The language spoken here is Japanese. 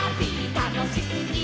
たのしすぎ」